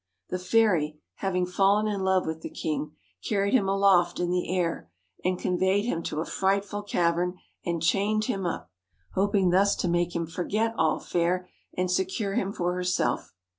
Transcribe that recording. The fairy, having fallen in love with the king, carried him aloft in the air, and conveyed him to a frightful cavern, and chained him up ; hoping thus 103 THE to make him forget All fair, and secure him for herself.